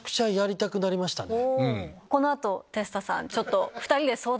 この後テスタさんちょっと。